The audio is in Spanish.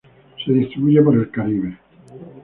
Se distribuye por el Caribe.